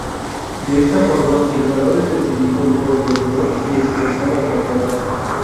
De esta forma el valor es decidido por el vendedor y expresado al comprador.